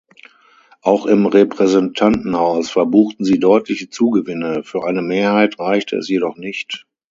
Auch im Repräsentantenhaus verbuchten sie deutliche Zugewinne, für eine Mehrheit reichte es jedoch nicht.